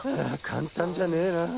簡単じゃねえなぁ。